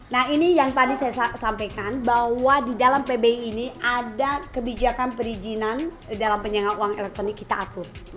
nah ini yang tadi saya sampaikan bahwa di dalam pbi ini ada kebijakan perizinan dalam penyengat uang elektronik kita atur